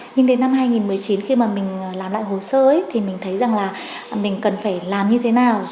nhưng đến năm hai nghìn một mươi chín khi mà mình làm lại hồ sơ thì mình thấy rằng là mình cần phải làm như thế nào